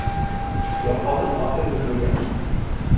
Ялҡауҙың аты һөрлөгә.